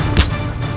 aku akan menang